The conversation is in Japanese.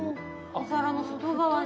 お皿の外側に。